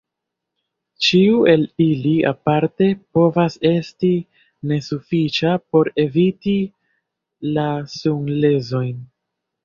Ĉiu el ili aparte povas esti nesufiĉa por eviti la sunlezojn.